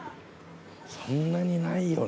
そんなにないよね。